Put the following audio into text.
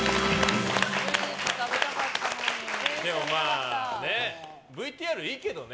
でもＶＴＲいいけどね。